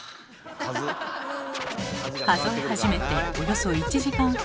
数え始めておよそ１時間半。